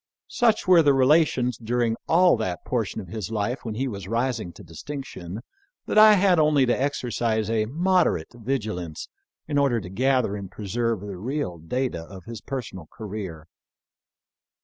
Such were our relations during all that portion of his life when he was rising to distinction, that I had only to exer cise a moderate vigilance in order to gather and preserve the real data of his personal career.